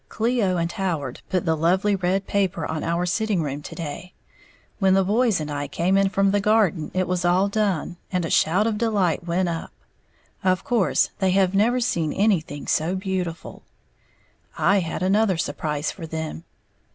_ Cleo and Howard put the lovely red paper on our sitting room to day, when the boys and I came in from the garden it was all done, and a shout of delight went up. Of course they have never seen anything so beautiful. I had another surprise for them.